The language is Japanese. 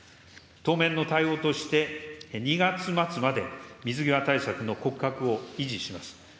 当面の対応として、２月末まで水際対策の骨格を維持します。